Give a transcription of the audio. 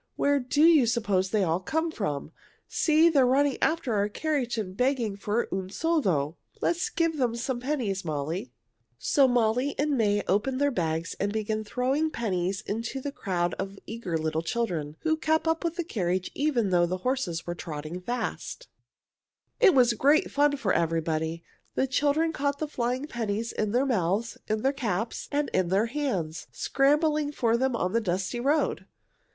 "Where do you suppose they all come from? See, they are running after our carriage and begging for un soldo. Let's give them some pennies, Molly." [Illustration: Molly and May opened their bags and began throwing pennies] So Molly and May opened their bags and began throwing pennies into the crowd of eager little children, who kept up with the carriage even though the horses were trotting fast. It was great fun for everybody. The children caught the flying pennies in their mouths, in their caps, and in their hands, scrambling for them on the dusty road.